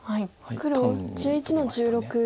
黒１１の十六ノビ。